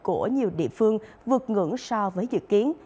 của nhiều địa phương vượt ngưỡng so với dự kiến